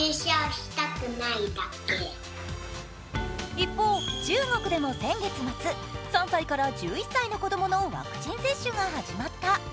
一方、中国でも先月末、３歳から１１歳の子供のワクチン接種が始まった。